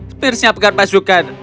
spir siapkan pasukan